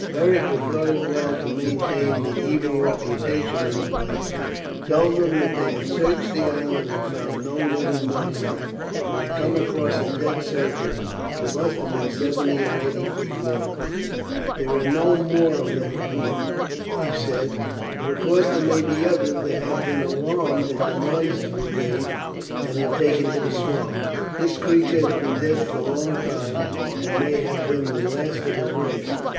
Beric, who thought it as well to maintain the evil reputation of the place, told him that they had searched the island and had found no living monsters, but had come across a dead serpent, who must have been seventy or eighty feet long. "There are no more of them here," he said, "but of course there may be others that have been alarmed at the noises we made and have taken to the swamps. This creature has been dead for a long time, and may have been the last of his race.